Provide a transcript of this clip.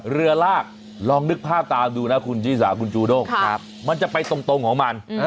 เรือลากลองนึกภาพตามดูนะคุณชิสาคุณจูด้งมันจะไปตรงของมัน